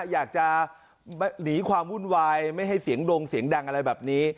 อยากจะหนีความวุ่นวายไม่ให้เสียงดงเสียงดังอะไรแบบนี้